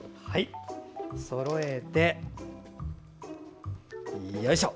そろえて、よいしょ。